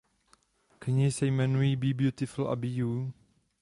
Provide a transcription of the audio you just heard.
Knihy se jmenují "Be Beautiful" a "Be You".